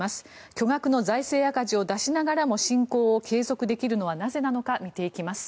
巨額の財政赤字を出しながらも侵攻を継続できるのはなぜなのか見ていきます。